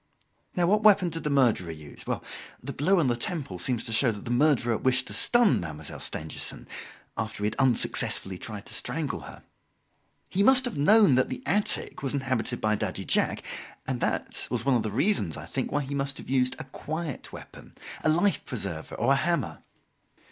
Now, what weapon did the murderer use? The blow on the temple seems to show that the murderer wished to stun Mademoiselle Stangerson, after he had unsuccessfully tried to strangle her. He must have known that the attic was inhabited by Daddy Jacques, and that was one of the reasons, I think, why he must have used a quiet weapon, a life preserver, or a hammer."